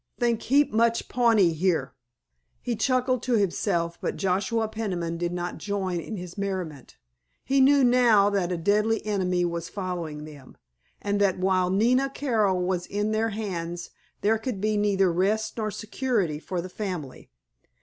Think heap much Pawnee here." He chuckled to himself, but Joshua Peniman did not join in his merriment. He knew now that a deadly enemy was following them, and that while Nina Carroll was in their hands there could be neither rest nor security for the family.